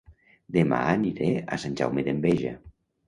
Dema aniré a Sant Jaume d'Enveja